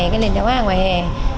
cái lền chóng hàng ngoài hẻ